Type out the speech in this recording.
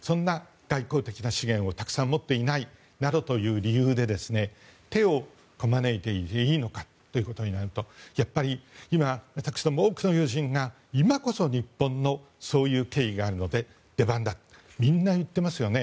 そんな外交的な資源をたくさん持っていないという理由で手をこまねいていていいのかとなるとやっぱり、今、私ども多くの友人が今こそ日本のそういう経緯があるので出番だとみんな言っていますよね。